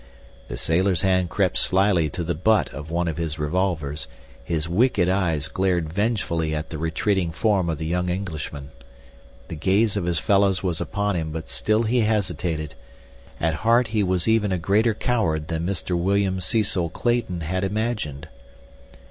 The sailor's hand crept slyly to the butt of one of his revolvers; his wicked eyes glared vengefully at the retreating form of the young Englishman. The gaze of his fellows was upon him, but still he hesitated. At heart he was even a greater coward than Mr. William Cecil Clayton had imagined.